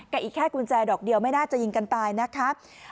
อีกแค่กุญแจดอกเดียวไม่น่าจะยิงกันตายนะครับ